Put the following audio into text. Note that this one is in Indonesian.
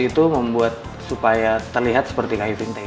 jadi aku membuat supaya terlihat seperti kayu vintage